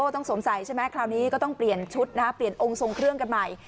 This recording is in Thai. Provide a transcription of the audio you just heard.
ต้องสวมใส่ใช่ไหมคราวนี้ก็ต้องเปลี่ยนชุดนะคะเปลี่ยนองค์ทรงเครื่องกันใหม่